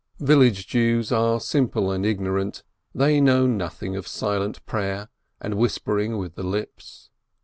Village Jews are simple and ignorant, they know nothing of "silent pray er" and whispering with the lips.